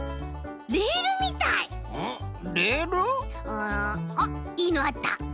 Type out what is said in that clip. うんあっいいのあった。